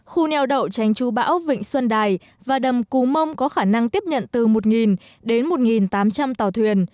khu neo đậu tránh chú bão vịnh xuân đài và đầm cú mông có khả năng tiếp nhận từ một đến một tám trăm linh tàu thuyền